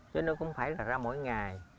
chứ nó cũng phải là ra mỗi ngày